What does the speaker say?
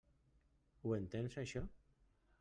Ho entens, això?